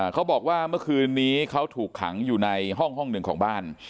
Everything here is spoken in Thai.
เขาบอกว่าเมื่อคืนนี้เขาถูกขังอยู่ในห้องหนึ่งของบ้าน